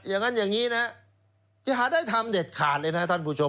อย่างนั้นอย่างนี้นะอย่าหาได้ทำเด็ดขาดเลยนะท่านผู้ชม